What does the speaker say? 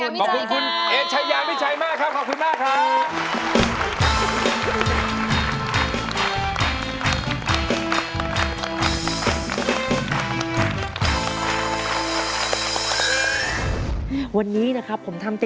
บรรทนามวุฒิค่ะบรรทนามวุฒิค่ะบรรทนามวุฒิค่ะขอบคุณพี่เอชยามิชัยมากขอบคุณมากค่ะ